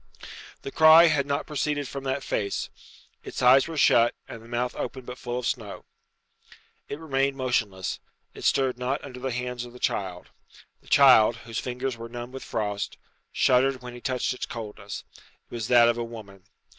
The cry had not proceeded from that face. Its eyes were shut, and the mouth open but full of snow. It remained motionless; it stirred not under the hands of the child. The child, whose fingers were numbed with frost, shuddered when he touched its coldness. It was that of a woman.